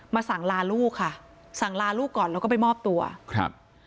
สั่งลาลูกค่ะสั่งลาลูกก่อนแล้วก็ไปมอบตัวครับ